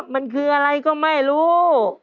มันคืออะไรก็ไม่รู้